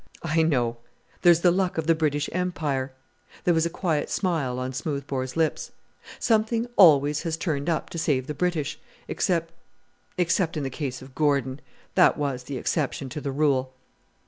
"I know there's the luck of the British Empire!" There was a quiet smile on Smoothbore's lips. "Something always has turned up to save the British except, except in the case of Gordon. That was the exception to the rule."